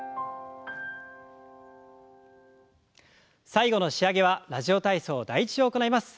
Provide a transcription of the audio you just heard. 最後の仕上げは「ラジオ体操第１」を行います。